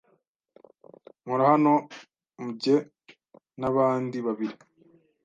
Nkora hano mjye nabandi babiri.